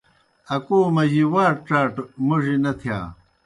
اکو مجیْ واٹ ڇاٹہ موڙیْ نہ تِھیا۔